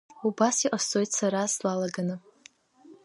Убас иҟасҵоит сара слалаганы…